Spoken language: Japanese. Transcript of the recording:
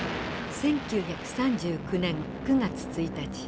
１９３９年９月１日。